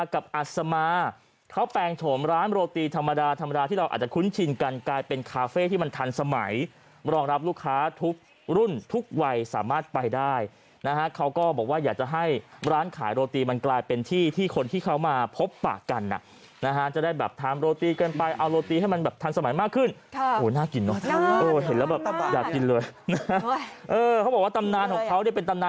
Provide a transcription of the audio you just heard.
กับอัศมาเขาแปลงโถมร้านโรตีธรรมดาธรรมดาที่เราอาจจะคุ้นชินกันกลายเป็นคาเฟ่ที่มันทันสมัยรองรับลูกค้าทุกรุ่นทุกวัยสามารถไปได้นะฮะเขาก็บอกว่าอยากจะให้ร้านขายโรตีมันกลายเป็นที่ที่คนที่เขามาพบปากกันนะฮะจะได้แบบทำโรตีเกินไปเอาโรตีให้มันแบบทันสมัยมากขึ้นโอ้โหน่ากิน